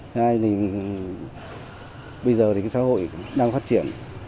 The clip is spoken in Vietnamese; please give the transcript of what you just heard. hai là bây giờ thì cái xã hội đang phát triển